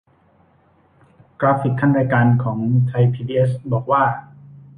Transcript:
กราฟิกคั่นรายการของไทยพีบีเอส บอกว่า